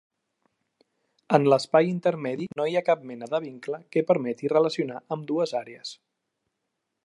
En l'espai intermedi no hi ha cap mena de vincle que permeti relacionar ambdues àrees.